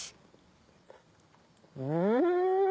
うん！